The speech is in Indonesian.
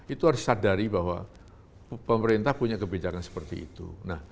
itu harus disadari bahwa pemerintah punya kebijakan seperti itu